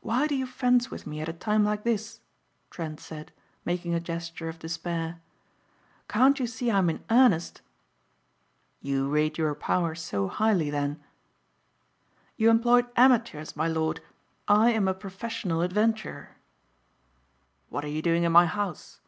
"Why do you fence with me at a time like this?" Trent said making a gesture of despair. "Can't you see I am in earnest?" "You rate your powers so highly then?" "You employed amateurs, my lord, I am a professional adventurer." "What are you doing in my house?"